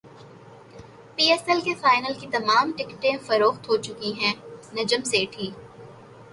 پی S L کے final کی تمام ٹکٹیں فروخت ہوچکی ہیں نجم سیٹھی